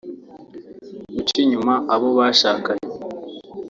guca inyuma abo bashakanye